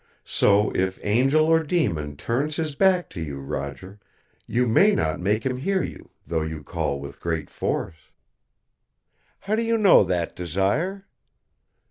So if angel or demon turns his back to you, Roger, you may not make him hear you though you call with great force." "How do you know that, Desire?"